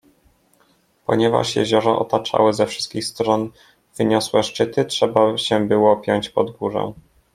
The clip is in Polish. Ponieważ jezioro otaczały ze wszystkich stron wyniosłe szczyty, trzeba się było piąć pod górę.